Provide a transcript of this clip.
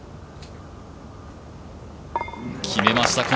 決めました。